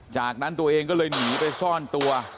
จากนั้นตัวเองก็เลยหนีไปซ่อนตัว